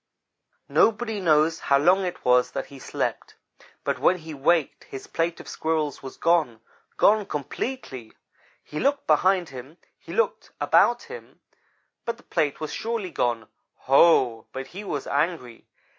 "Nobody knows how long it was that he slept, but when he waked his plate of Squirrels was gone gone completely. He looked behind him; he looked about him; but the plate was surely gone. Ho! But he was angry.